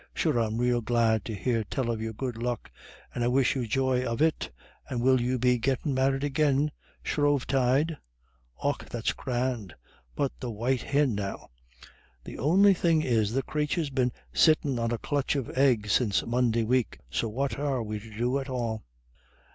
Sure, I'm rael glad to hear tell of your good luck, and I wish you joy of it. And will you be gettin' married agin Shrovetide? Och, that's grand. But the white hin now the on'y thing is the crathur's been sittin' on a clutch of eggs since Monday week. So what are we to do at all?"